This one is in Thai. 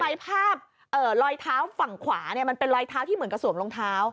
ทำไมภาพเอ่อรอยเท้าฝั่งขวาเนี้ยมันเป็นรอยเท้าที่เหมือนกระสวมโรงเท้า